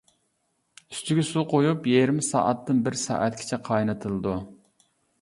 ئۈستىگە سۇ قۇيۇپ يېرىم سائەتتىن بىر سائەتكىچە قاينىتىلىدۇ.